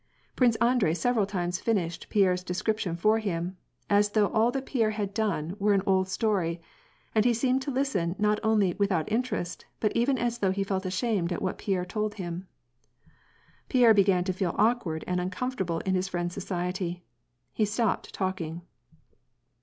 Prince Andrei several times finished Pierre's description for hina, as though all that Pierre had done were an old story, and he seemed to listen not only without interest, but even as though he felt ashamed at what Pierre told him. Pierre began to feel awkward and uncomfoi table in his friend's society. He stopped talking.